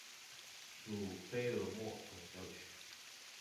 属费尔莫总教区。